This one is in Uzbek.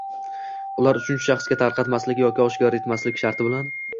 ularni uchinchi shaxslarga tarqatmaslik yoki oshkor etmaslik sharti bilan;